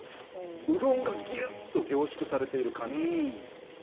うどんがぎゅっと凝縮されている感じです。